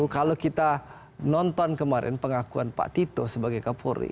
kalau kita nonton kemarin pengakuan pak tito sebagai kapolri